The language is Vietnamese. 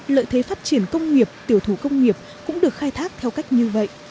lợi thế phát triển công nghiệp tiểu thủ công nghiệp cũng được khai thác theo cách như vậy